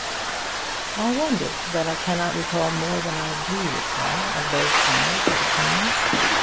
I wonder that I cannot recall more than I do recall of those hours at The Pines.